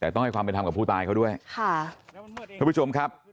แต่ต้องให้ความเป็นธรรมกับผู้ตายเขาด้วยค่ะทุกผู้ชมครับ